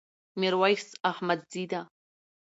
ميرويس احمدزي ده